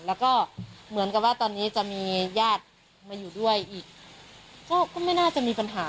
แล้วก็เหมือนกับว่าตอนนี้จะมีญาติมาอยู่ด้วยอีกก็ไม่น่าจะมีปัญหา